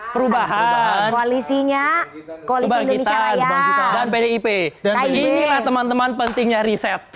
perubahan koalisinya koalisi dan pdip dan inilah teman teman pentingnya riset